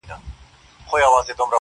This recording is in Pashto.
دادی وګوره صاحب د لوی نښان یم ,